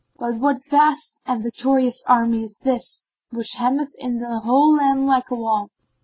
But what vast and victorious army is this which hemmeth in the whole land like a wall?"